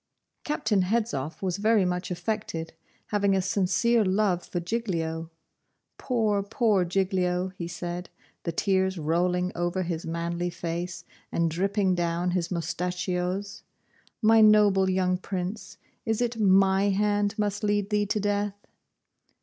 Captain Hedzoff was very much affected, having a sincere love for Giglio. 'Poor, poor Giglio!' he said, the tears rolling over his manly face, and dripping down his moustachios; 'my noble young Prince, is it my hand must lead thee to death?